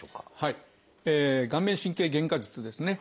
「顔面神経減荷術」ですね。